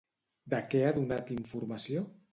De què ha donat informació?